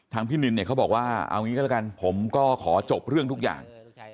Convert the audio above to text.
พี่นินเนี่ยเขาบอกว่าเอางี้ก็แล้วกันผมก็ขอจบเรื่องทุกอย่าง